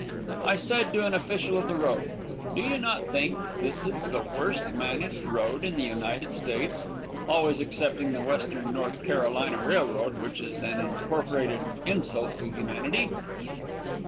I said to an official of the road: "Do you not think this is the worst managed road in the United States always excepting the Western North Carolina Railroad, which is an incorporated insult to humanity?"